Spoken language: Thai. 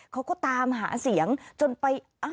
เขาก็ตามหาเสียงจนไป